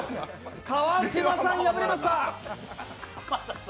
川島さん、敗れました！